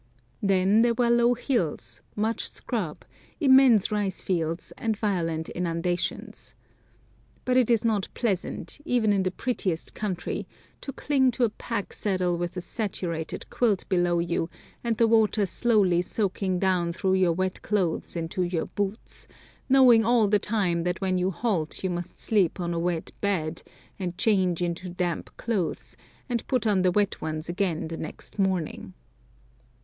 Then there were low hills, much scrub, immense rice fields, and violent inundations. But it is not pleasant, even in the prettiest country, to cling on to a pack saddle with a saturated quilt below you and the water slowly soaking down through your wet clothes into your boots, knowing all the time that when you halt you must sleep on a wet bed, and change into damp clothes, and put on the wet ones again the next morning.